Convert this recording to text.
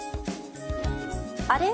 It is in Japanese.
あれ？